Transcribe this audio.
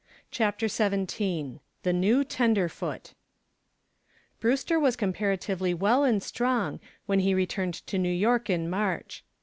CHAPTER XVII THE NEW TENDERFOOT Brewster was comparatively well and strong when he returned to New York in March.